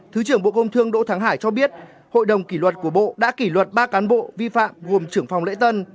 thứ trưởng bộ công thương đỗ thắng hải cho biết hội đồng kỷ luật của bộ đã kỷ luật ba cán bộ vi phạm gồm trưởng phòng lễ tân